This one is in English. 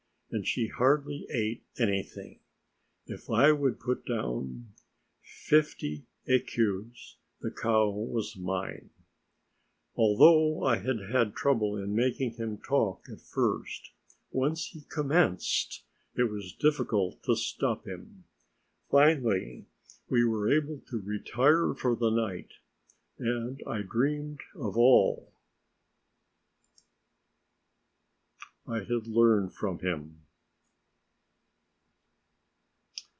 and she hardly ate anything. If I would put down fifty écus, the cow was mine. Although I had had trouble in making him talk at first, once he commenced it was difficult to stop him. Finally, we were able to retire for the night, and I dreamed of all I had learned from him.